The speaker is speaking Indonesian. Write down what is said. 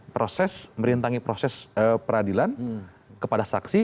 proses merintangi proses peradilan kepada saksi